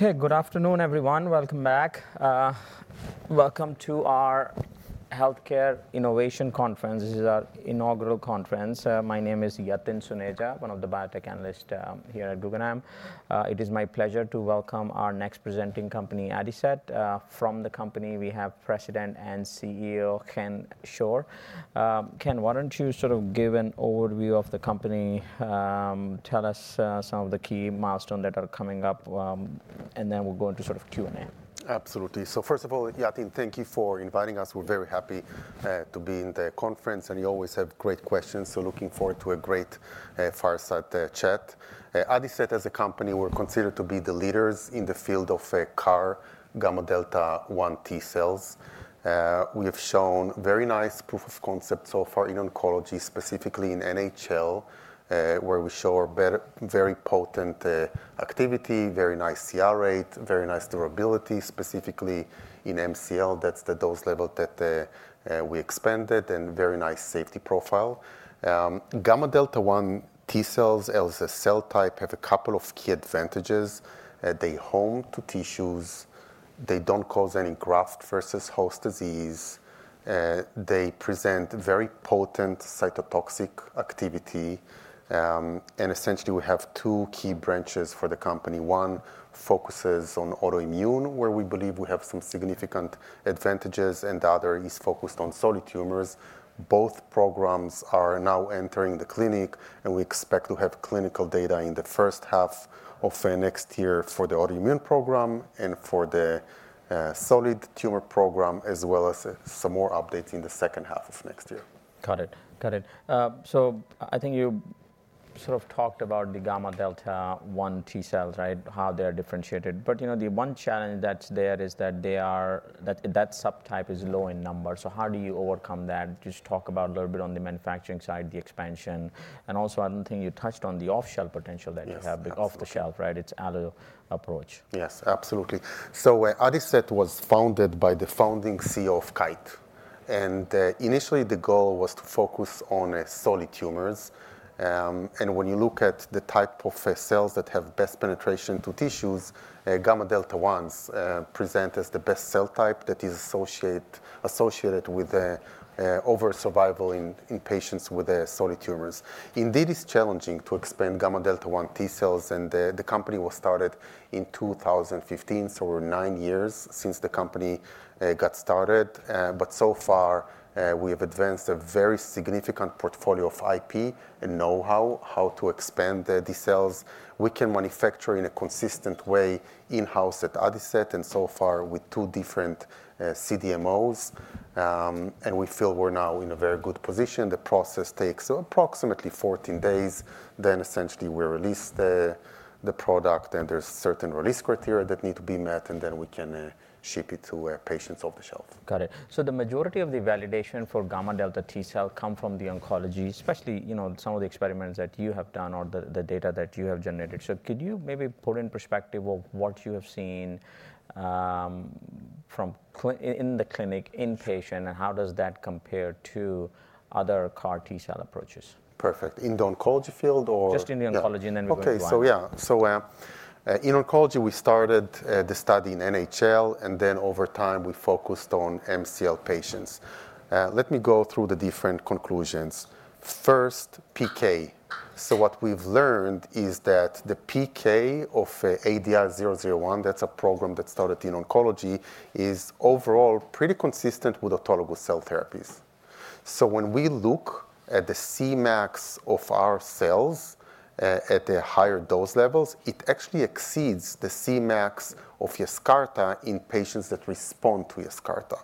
Okay, good afternoon, everyone. Welcome back. Welcome to our Healthcare Innovation Conference. This is our inaugural conference. My name is Yatin Suneja, one of the biotech analysts here at Guggenheim. It is my pleasure to welcome our next presenting company, Adicet. From the company, we have President and CEO Chen Schor. Chen, why don't you sort of give an overview of the company, tell us some of the key milestones that are coming up, and then we'll go into sort of Q&A. Absolutely. So first of all, Yatin, thank you for inviting us. We're very happy to be in the conference, and you always have great questions. So looking forward to a great fireside chat. Adicet, as a company, we're considered to be the leaders in the field of CAR gamma delta one T cells. We have shown very nice proof of concept so far in oncology, specifically in NHL, where we show our better very potent activity, very nice CR rate, very nice durability, specifically in MCL. That's the dose level that we expanded, and very nice safety profile. Gamma delta one T cells, as a cell type, have a couple of key advantages. They home to tissues, they don't cause any graft versus host disease. They present very potent cytotoxic activity. And essentially, we have two key branches for the company. One focuses on autoimmune, where we believe we have some significant advantages, and the other is focused on solid tumors. Both programs are now entering the clinic, and we expect to have clinical data in the first half of next year for the autoimmune program and for the solid tumor program, as well as some more updates in the second half of next year. Got it. Got it. So I think you sort of talked about the gamma delta V1 T cells, right? How they are differentiated. But, you know, the one challenge that's there is that they are, that subtype is low in number. So how do you overcome that? Just talk about a little bit on the manufacturing side, the expansion, and also I don't think you touched on the off-the-shelf potential that you have off the shelf, right? It's allo approach. Yes, absolutely, so Adicet was founded by the founding CEO of Kite. And initially, the goal was to focus on solid tumors, and when you look at the type of cells that have best penetration to tissues, gamma delta ones present as the best cell type that is associated with overall survival in patients with solid tumors. Indeed, it's challenging to expand gamma delta one T cells, and the company was started in 2015, so nine years since the company got started, but so far, we have advanced a very significant portfolio of IP and know-how how to expand the cells we can manufacture in a consistent way in-house at Adicet, and so far with two different CDMOs, and we feel we're now in a very good position. The process takes approximately 14 days. Then essentially, we release the product, and there's certain release criteria that need to be met, and then we can ship it to patients off the shelf. Got it. So the majority of the validation for gamma delta T cell come from the oncology, especially, you know, some of the experiments that you have done or the data that you have generated. So could you maybe put in perspective of what you have seen, from in the clinic, inpatient, and how does that compare to other CAR T cell approaches? Perfect. In the oncology field or? Just in the oncology and then we go back. In oncology, we started the study in NHL, and then over time, we focused on MCL patients. Let me go through the different conclusions. First, PK. So what we've learned is that the PK of ADI-001, that's a program that started in oncology, is overall pretty consistent with autologous cell therapies. So when we look at the Cmax of our cells, at the higher dose levels, it actually exceeds the Cmax of Yescarta in patients that respond to Yescarta.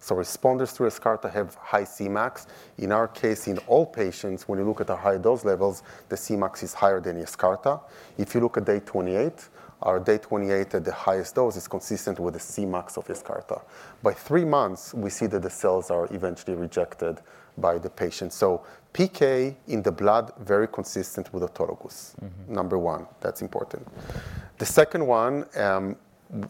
So responders to Yescarta have high Cmax. In our case, in all patients, when you look at the higher dose levels, the Cmax is higher than Yescarta. If you look at day 28, our day 28 at the highest dose is consistent with the Cmax of Yescarta. By three months, we see that the cells are eventually rejected by the patient. So PK in the blood, very consistent with autologous. Mm-hmm. Number one, that's important. The second one,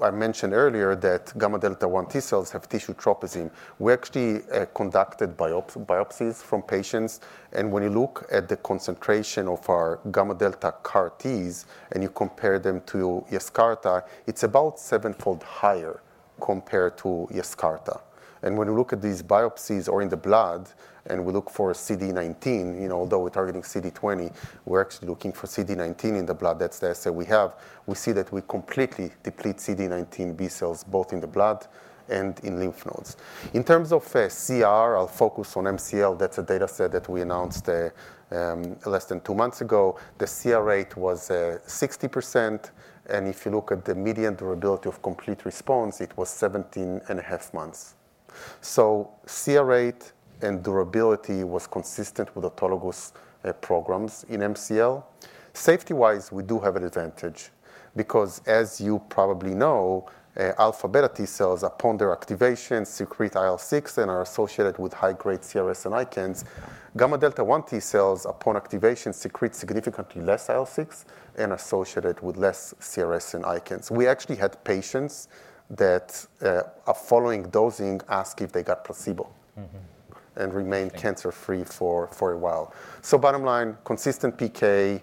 I mentioned earlier that gamma delta one T cells have tissue tropism. We actually conducted biopsies from patients, and when you look at the concentration of our gamma delta CAR Ts, and you compare them to Yescarta, it's about seven-fold higher compared to Yescarta. And when we look at these biopsies or in the blood, and we look for CD19, you know, although we're targeting CD20, we're actually looking for CD19 in the blood. That's the assay we have. We see that we completely deplete CD19 B cells both in the blood and in lymph nodes. In terms of CR, I'll focus on MCL. That's a data set that we announced less than two months ago. The CR rate was 60%, and if you look at the median durability of complete response, it was 17 and a half months. So, CR rate and durability was consistent with autologous programs in MCL. Safety-wise, we do have an advantage because, as you probably know, alpha beta T cells, upon their activation, secrete IL-6 and are associated with high-grade CRS and ICANS. Gamma delta T cells, upon activation, secrete significantly less IL-6 and are associated with less CRS and ICANS. We actually had patients that, after dosing, asked if they got placebo. Mm-hmm. Remained cancer-free for a while. Bottom line, consistent PK,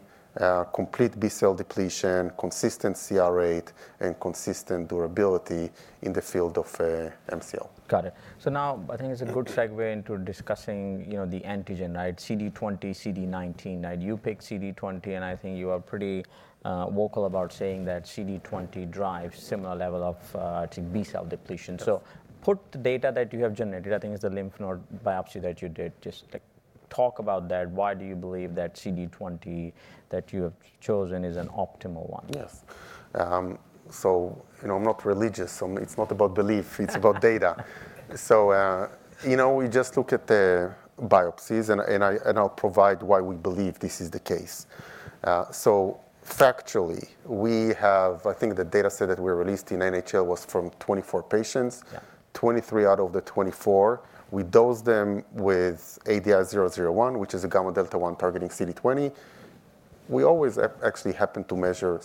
complete B cell depletion, consistent CR rate, and consistent durability in the field of MCL. Got it. So now I think it's a good segue into discussing, you know, the antigen, right? CD20, CD19, right? You pick CD20, and I think you are pretty, vocal about saying that CD20 drives similar level of, I think B cell depletion. Yes. So, put the data that you have generated. I think it's the lymph node biopsy that you did. Just like, talk about that. Why do you believe that CD20 that you have chosen is an optimal one? Yes. So, you know, I'm not religious, so it's not about belief. It's about data. So, you know, we just look at the biopsies, and I'll provide why we believe this is the case. So factually, we have, I think the data set that we released in NHL was from 24 patients. Yeah. 23 out of the 24. We dosed them with ADI-001, which is a gamma delta one targeting CD20. We always actually happen to measure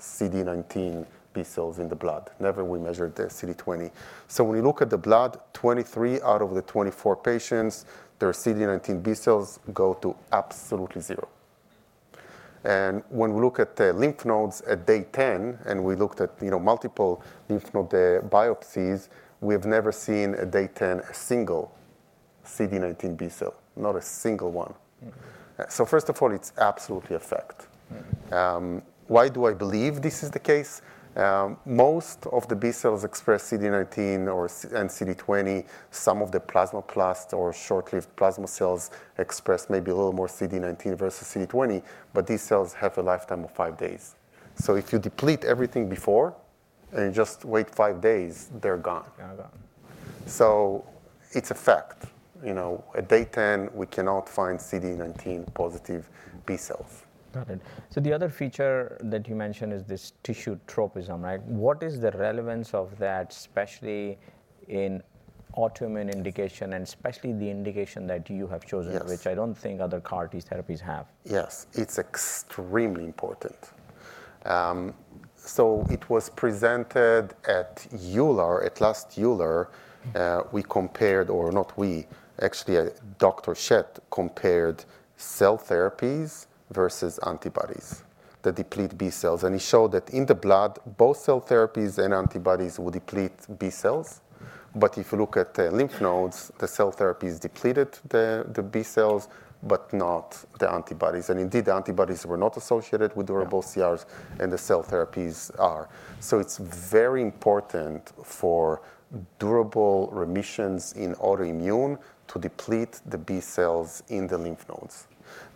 CD19 B cells in the blood. We never measured the CD20. So when you look at the blood, 23 out of the 24 patients, their CD19 B cells go to absolutely zero. And when we look at the lymph nodes at day 10, and we looked at, you know, multiple lymph node biopsies, we have never seen at day 10 a single CD19 B cell, not a single one. Mm-hmm. First of all, it's absolutely a fact. Mm-hmm. Why do I believe this is the case? Most of the B cells express CD19 or CD20. Some of the plasmablasts or short-lived plasma cells express maybe a little more CD19 versus CD20, but these cells have a lifetime of five days. So if you deplete everything before and you just wait five days, they're gone. They're gone. So it's a fact. You know, at day 10, we cannot find CD19 positive B cells. Got it. So the other feature that you mentioned is this tissue tropism, right? What is the relevance of that, especially in autoimmune indication and especially the indication that you have chosen, which I don't think other CAR T therapies have? Yes. It's extremely important. So it was presented at EULAR, at last EULAR, we compared, or not we, actually, Dr. Schett compared cell therapies versus antibodies that deplete B cells. And he showed that in the blood, both cell therapies and antibodies would deplete B cells. But if you look at the lymph nodes, the cell therapies depleted the B cells, but not the antibodies. And indeed, the antibodies were not associated with durable CRs, and the cell therapies are. So it's very important for durable remissions in autoimmune to deplete the B cells in the lymph nodes.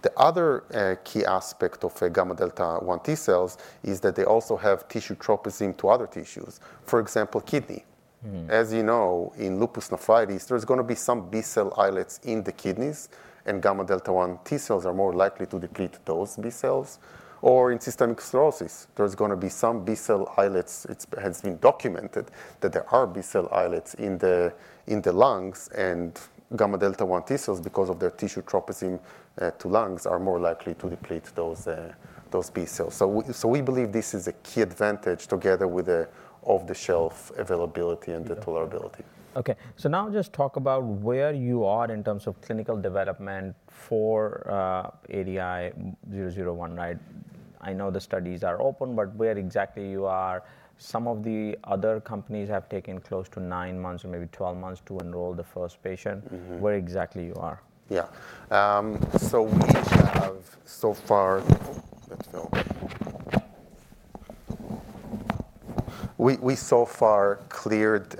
The other key aspect of gamma delta T cells is that they also have tissue tropism to other tissues, for example, kidney. Mm-hmm. As you know, in lupus nephritis, there's gonna be some B cell islets in the kidneys, and gamma delta one T cells are more likely to deplete those B cells. Or in systemic sclerosis, there's gonna be some B cell islets. It has been documented that there are B cell islets in the lungs, and gamma delta one T cells, because of their tissue tropism to lungs, are more likely to deplete those B cells. So we believe this is a key advantage together with the off-the-shelf availability and the tolerability. Okay. So now just talk about where you are in terms of clinical development for ADI-001, right? I know the studies are open, but where exactly you are. Some of the other companies have taken close to nine months or maybe 12 months to enroll the first patient. Mm-hmm. Where exactly you are? Yeah, so we have so far cleared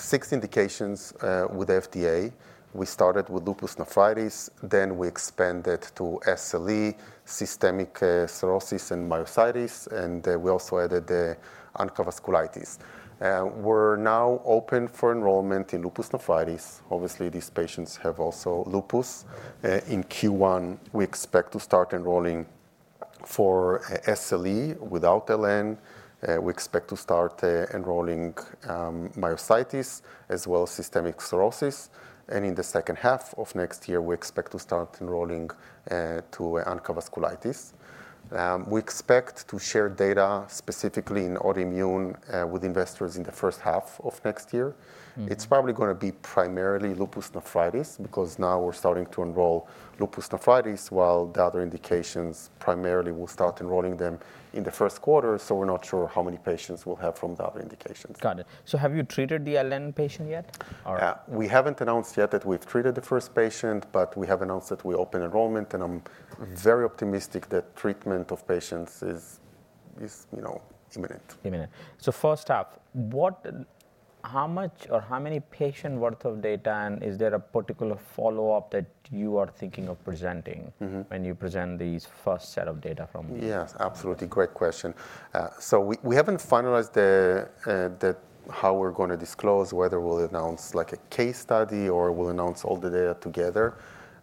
six indications with FDA. We started with lupus nephritis, then we expanded to SLE, systemic sclerosis and myositis, and we also added the ANCA-associated vasculitis. We're now open for enrollment in lupus nephritis. Obviously, these patients have also lupus in Q1. We expect to start enrolling for SLE without LN. We expect to start enrolling myositis as well as systemic sclerosis. In the second half of next year, we expect to start enrolling to ANCA-associated vasculitis. We expect to share data specifically in autoimmune with investors in the first half of next year. Mm-hmm. It's probably gonna be primarily lupus nephritis because now we're starting to enroll lupus nephritis, while the other indications primarily we'll start enrolling them in the first quarter, so we're not sure how many patients we'll have from the other indications. Got it. So have you treated the LN patient yet? We haven't announced yet that we've treated the first patient, but we have announced that we open enrollment, and I'm very optimistic that treatment of patients is, you know, imminent. a minute. So first off, how much or how many patients worth of data, and is there a particular follow-up that you are thinking of presenting? Mm-hmm. When you present these first set of data from? Yes. Absolutely. Great question. So we haven't finalized the how we're gonna disclose, whether we'll announce like a case study or we'll announce all the data together.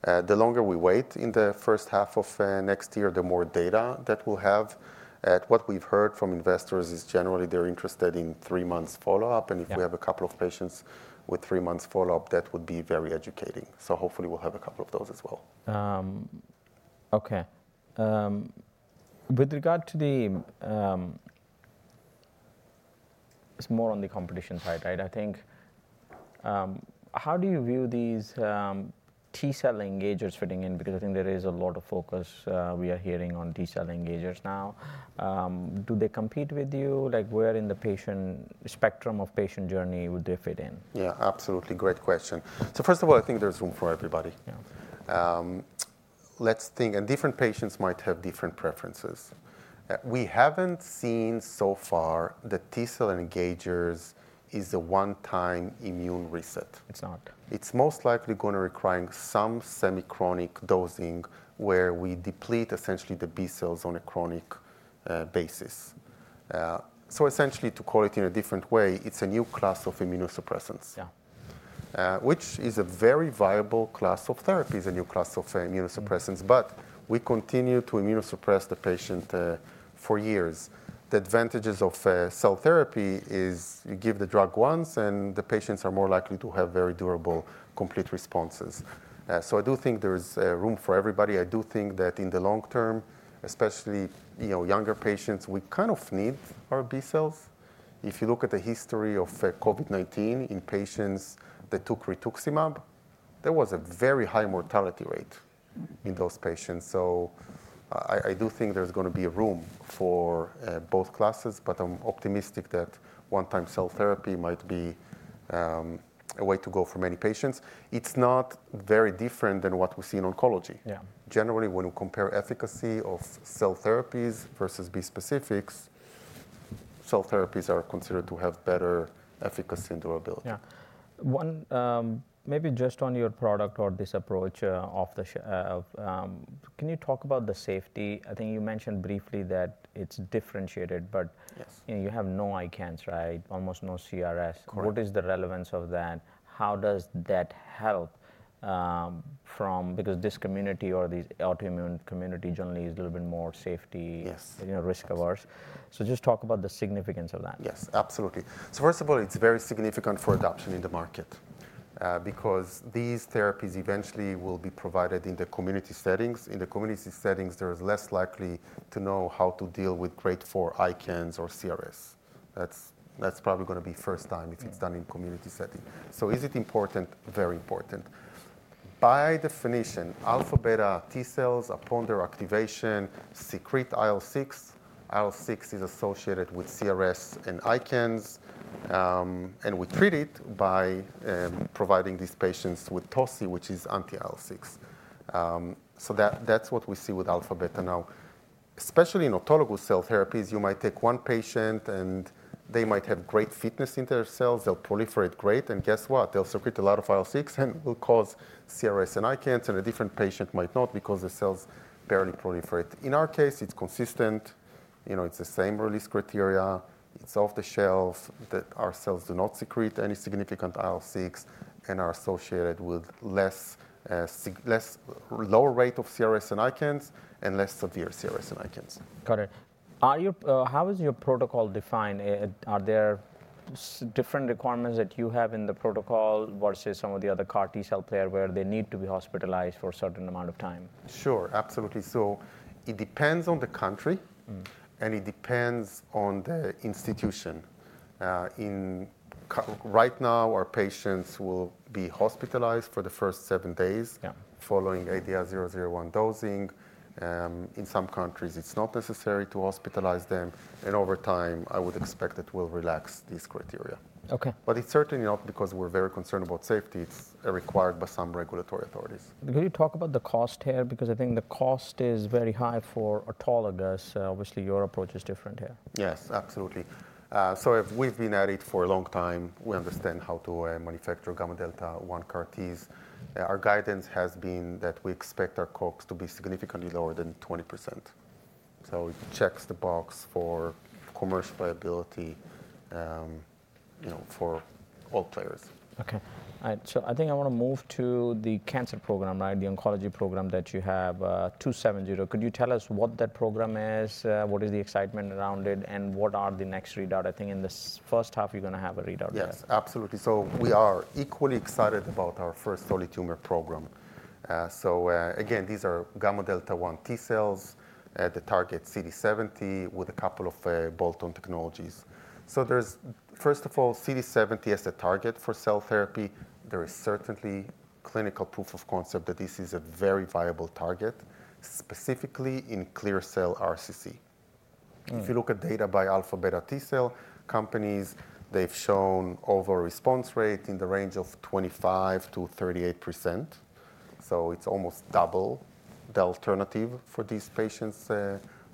The longer we wait in the first half of next year, the more data that we'll have. What we've heard from investors is generally they're interested in three months follow-up. Mm-hmm. And if we have a couple of patients with three months follow-up, that would be very educating. So hopefully we'll have a couple of those as well. Okay. With regard to the, it's more on the competition side, right? I think, how do you view these T cell engagers fitting in? Because I think there is a lot of focus, we are hearing on T cell engagers now. Do they compete with you? Like, where in the patient spectrum of patient journey would they fit in? Yeah. Absolutely. Great question. So first of all, I think there's room for everybody. Yeah. Let's think, and different patients might have different preferences. We haven't seen so far that T cell engagers is a one-time immune reset. It's not. It's most likely gonna require some semi-chronic dosing where we deplete essentially the B cells on a chronic basis. So essentially to call it in a different way, it's a new class of immunosuppressants. Yeah. Which is a very viable class of therapy, is a new class of immunosuppressants, but we continue to immunosuppress the patient for years. The advantages of cell therapy is you give the drug once, and the patients are more likely to have very durable complete responses, so I do think there's room for everybody. I do think that in the long term, especially, you know, younger patients, we kind of need our B cells. If you look at the history of COVID-19 in patients that took rituximab, there was a very high mortality rate. Mm-hmm. In those patients, so I do think there's gonna be room for both classes, but I'm optimistic that one-time cell therapy might be a way to go for many patients. It's not very different than what we see in oncology. Yeah. Generally, when we compare efficacy of cell therapies versus bispecifics, cell therapies are considered to have better efficacy and durability. Yeah. One, maybe just on your product or this off-the-shelf approach, can you talk about the safety? I think you mentioned briefly that it's differentiated, but. Yes. You know, you have no ICANS, right? Almost no CRS. Correct. What is the relevance of that? How does that help, because this community or these autoimmune community generally is a little bit more safety. Yes. You know, risk averse. So just talk about the significance of that. Yes. Absolutely. So first of all, it's very significant for adoption in the market, because these therapies eventually will be provided in the community settings. In the community settings, there is less likely to know how to deal with grade four ICANS or CRS. That's, that's probably gonna be first time if it's done in community setting. So is it important? Very important. By definition, alpha beta T cells upon their activation secrete IL-6. IL-6 is associated with CRS and ICANS, and we treat it by providing these patients with Toci, which is anti-IL-6. So that's what we see with alpha beta now. Especially in autologous cell therapies, you might take one patient, and they might have great fitness into their cells. They'll proliferate great, and guess what? They'll secrete a lot of IL-6 and will cause CRS and ICANS, and a different patient might not because the cells barely proliferate. In our case, it's consistent. You know, it's the same release criteria. It's off the shelf that our cells do not secrete any significant IL-6 and are associated with less lower rate of CRS and ICANS and less severe CRS and ICANS. Got it. How is your protocol defined? Are there different requirements that you have in the protocol versus some of the other CAR T cell players where they need to be hospitalized for a certain amount of time? Sure. Absolutely, so it depends on the country. Mm-hmm. It depends on the institution. In cohort right now, our patients will be hospitalized for the first seven days. Yeah. Following ADI-001 dosing, in some countries, it's not necessary to hospitalize them, and over time, I would expect that we'll relax these criteria. Okay. But it's certainly not because we're very concerned about safety. It's required by some regulatory authorities. Could you talk about the cost here? Because I think the cost is very high for autologous. Obviously, your approach is different here. Yes. Absolutely. So we've been at it for a long time. We understand how to manufacture gamma delta one CAR Ts. Our guidance has been that we expect our COGS to be significantly lower than 20%. So it checks the box for commercial viability, you know, for all players. Okay. All right. So I think I wanna move to the cancer program, right? The oncology program that you have, ADI-270. Could you tell us what that program is, what is the excitement around it, and what are the next readout? I think in the first half, you're gonna have a readout there. Yes. Absolutely. So we are equally excited about our first solid tumor program. So, again, these are gamma delta one T cells, the target CD70 with a couple of bolt-on technologies. So there's, first of all, CD70 as a target for cell therapy. There is certainly clinical proof of concept that this is a very viable target, specifically in clear cell RCC. Mm-hmm. If you look at data by alpha beta T cell companies, they've shown overall response rate in the range of 25%-38%, so it's almost double the alternative for these patients,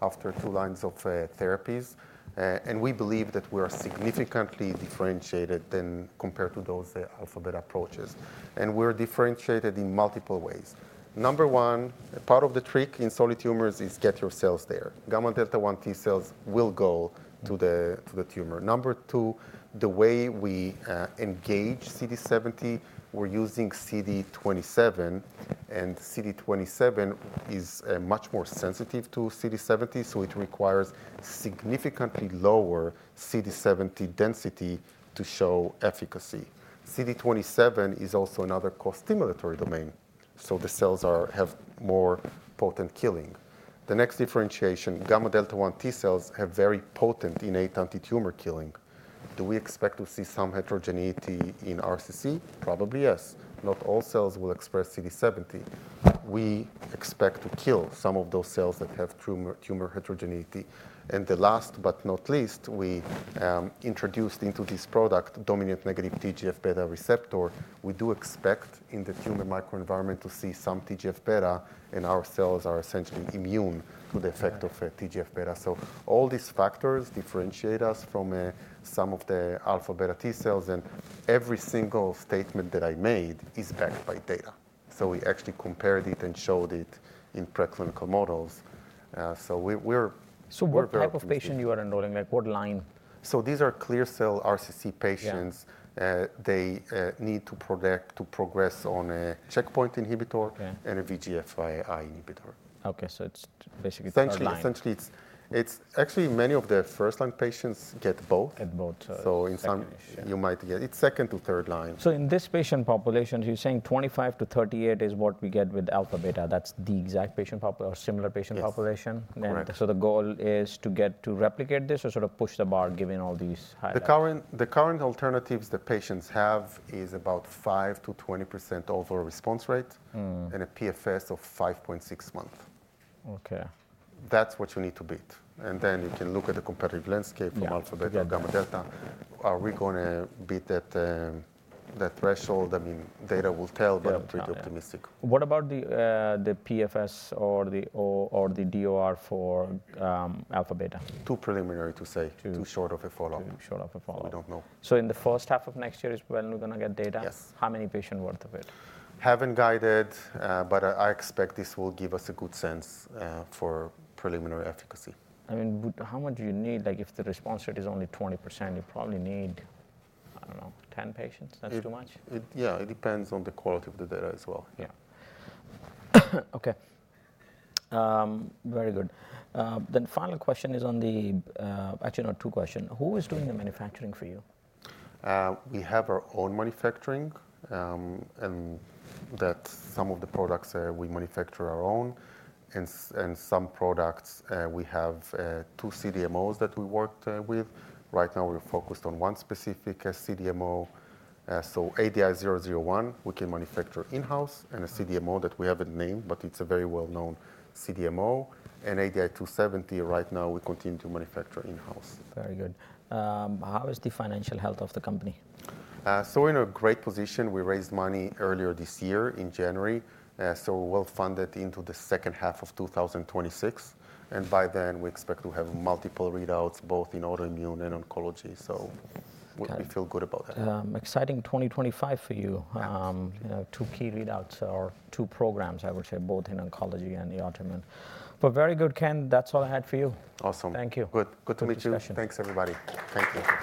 after two lines of therapies, and we believe that we are significantly differentiated than compared to those alpha beta approaches, and we're differentiated in multiple ways. Number one, part of the trick in solid tumors is get your cells there. Gamma delta one T cells will go to the tumor. Number two, the way we engage CD70, we're using CD27, and CD27 is much more sensitive to CD70, so it requires significantly lower CD70 density to show efficacy. CD27 is also another costimulatory domain, so the cells have more potent killing. The next differentiation, gamma delta one T cells have very potent innate anti-tumor killing. Do we expect to see some heterogeneity in RCC? Probably yes. Not all cells will express CD70. We expect to kill some of those cells that have tumor heterogeneity, and the last but not least, we introduced into this product dominant negative TGF-beta receptor. We do expect in the tumor microenvironment to see some TGF-beta, and our cells are essentially immune to the effect of TGF-beta, so all these factors differentiate us from some of the alpha beta T cells, and every single statement that I made is backed by data, so we actually compared it and showed it in preclinical models. So what type of patient you are enrolling? Like, what line? These are clear cell RCC patients. Yeah. They need to protect to progress on a checkpoint inhibitor. Okay. A VEGF inhibitor. Okay, so it's basically first line. Essentially, it's actually many of the first-line patients get both. Get both. So in some. Second. You might get it's second to third line. So in this patient population, you're saying 25-38 is what we get with alpha beta. That's the exact patient population or similar patient population. Correct. The goal is to get to replicate this or sort of push the bar given all these high. The current alternatives the patients have is about 5%-20% overall response rate. Mm-hmm. A PFS of 5.6 months. Okay. That's what you need to beat, and then you can look at the competitive landscape from alpha beta or gamma delta. Are we gonna beat that, that threshold? I mean, data will tell, but I'm pretty optimistic. What about the PFS or the DOR for alpha beta? Too preliminary to say. Too. Too short of a follow-up. Too short of a follow-up. We don't know. In the first half of next year is when we're gonna get data? Yes. How many patients worth of it? Haven't guided, but I expect this will give us a good sense for preliminary efficacy. I mean, how much do you need? Like, if the response rate is only 20%, you probably need, I don't know, 10 patients. Yeah. That's too much? Yeah. It depends on the quality of the data as well. Yeah. Okay. Very good. Then final question is on the, actually not two questions. Who is doing the manufacturing for you? We have our own manufacturing, and that some of the products, we manufacture our own. And some products, we have two CDMOs that we worked with. Right now, we're focused on one specific CDMO. So ADI-001, we can manufacture in-house and a CDMO that we haven't named, but it's a very well-known CDMO. And ADI-270, right now, we continue to manufacture in-house. Very good. How is the financial health of the company? So we're in a great position. We raised money earlier this year in January. So we'll fund it into the second half of 2026. And by then, we expect to have multiple readouts, both in autoimmune and oncology. So we feel good about that. Exciting 2025 for you. Yeah. You know, two key readouts or two programs, I would say, both in oncology and the autoimmune. But very good, Ken. That's all I had for you. Awesome. Thank you. Good, good to meet you. Great discussion. Thanks, everybody. Thank you.